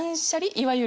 いわゆる。